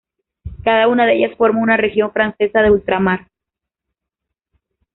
Cada una de ellas forma una región francesa de ultramar.